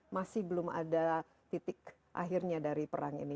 masih belum ada titik akhirnya dari perang ini